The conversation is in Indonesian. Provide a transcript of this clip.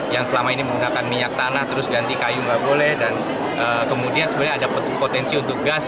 yang selama ini menggunakan minyak tanah terus ganti kayu nggak boleh dan kemudian sebenarnya ada potensi untuk gas